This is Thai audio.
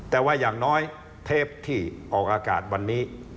แต่ว่าอย่างน้อยเทปที่ออกอากาศวันนี้